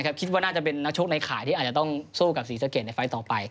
คิดว่าน่าจะเป็นนักชกในข่ายที่อาจจะต้องสู้กับศรีสะเกดในไฟล์ต่อไป